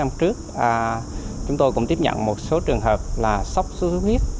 năm trước chúng tôi cũng tiếp nhận một số trường hợp là sốc xuất huyết